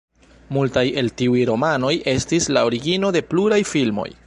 Multaj el tiuj romanoj estis la origino de pluraj filmoj.